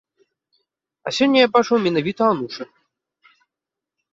А сёння я бачыў менавіта анучы.